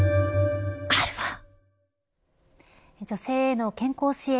女性への健康支援